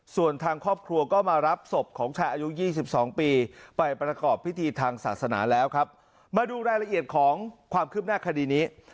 ส่วนทางครอบครัวก็มารับศพของชายอายุ๒๒ปีไปประกอบพิธีทางศาสนาแล้วครับมาดูรายละเอียดของความคืบหน้าคดีนี้